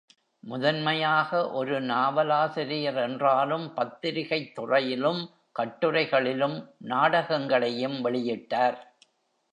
முதன்மையாக ஒரு நாவலாசிரியர் என்றாலும் பத்திரிகைத் துறையிலும், கட்டுரைகளிலும், நாடகங்களையும் வெளியிட்டார்.